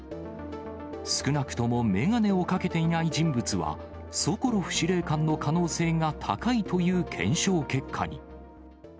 少なくとも眼鏡をかけていない人物は、ソコロフ司令官の可能性が高いという検証結果に。